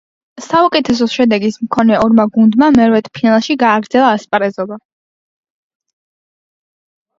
საუკეთესო შედეგის მქონე ორმა გუნდმა მერვედფინალში გააგრძელა ასპარეზობა.